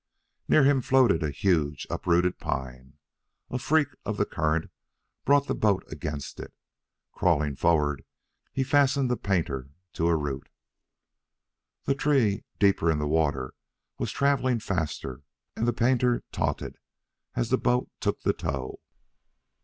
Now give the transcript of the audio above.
Near him floated a huge, uprooted pine. A freak of the current brought the boat against it. Crawling forward, he fastened the painter to a root. The tree, deeper in the water, was travelling faster, and the painter tautened as the boat took the tow.